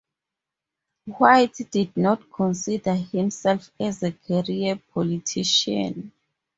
White did not consider himself as a "career politician".